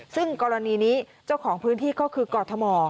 ซึ่งกรณีนี้เจ้าของพื้นที่ก็คือกรทม